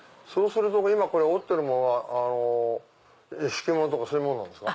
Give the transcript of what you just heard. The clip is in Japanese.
今これ織ってるものは敷物とかそういうものですか？